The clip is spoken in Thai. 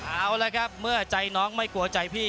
เอาละครับเมื่อใจน้องไม่กลัวใจพี่